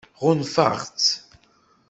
Ɣunfan-tt?